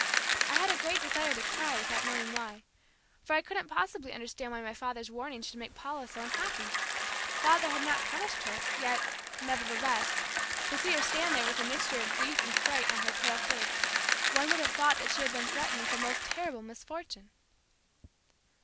I had a great desire to cry without knowing why, for I couldn't possibly understand why my father's warning should make Paula so unhappy. Father had not punished her, yet, nevertheless, to see her stand there with a mixture of grief and fright on her pale face, one would have thought that she had been threatened with a most terrible misfortune.